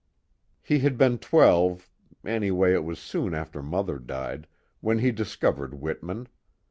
_ He had been twelve anyway it was soon after Mother died when he discovered Whitman.